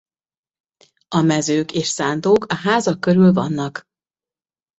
A mezők és szántók a házak körül vannak.